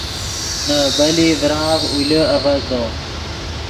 نے ابیلی ڤرآف اولے آڤزدو